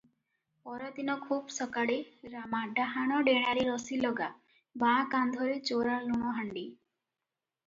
ପରଦିନ ଖୁବ୍ ସକାଳେ ରାମା ଡାହାଣ ଡେଣାରେ ରସିଲଗା, ବାଁ କାନ୍ଧରେ ଚୋରା ଲୁଣହାଣ୍ଡି ।